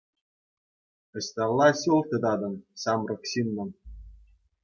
Ӑҫталла ҫул тытатӑн, ҫамрӑк ҫыннӑм?